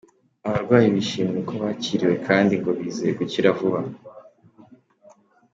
Abarwayi bishimira uko bakiriwe kandi ngo bizeye gukira vuba.